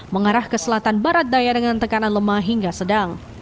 mengarah ke selatan barat daya dengan tekanan lemah hingga sedang